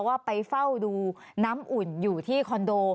ว่าไปเฝ้าดูน้ำอุ่นอยู่ที่คอนโด